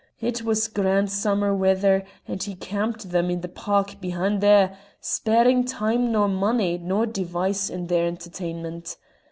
It was grand summer weather, and he camped them i' the park behin' there, sparing time nor money nor device in their entertainment.